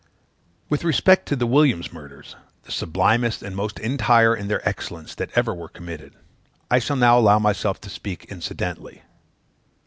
With respect to Williams's murders, the sublimest and most entire in their excellence that ever were committed, I shall not allow myself to speak incidentally.